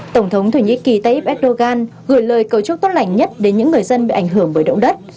tổng thống thổ nhĩ kỳ tayyip erdogan gửi lời cầu chúc tốt lành nhất đến những người dân bị ảnh hưởng bởi động đất